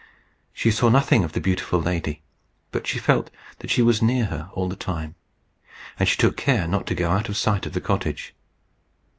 She saw nothing of the beautiful lady, but she felt that she was near her all the time; and she took care not to go out of sight of the cottage.